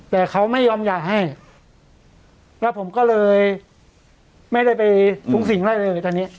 แต่เขาไม่ยอมหย่าให้แล้วผมก็เลยไม่ได้ไปฟุ้งสิ่งอะไรเลยตอนนี้